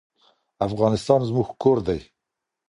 افغانستان زموږ کور دی.